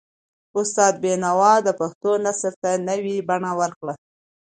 استاد بینوا د پښتو نثر ته نوي بڼه ورکړه.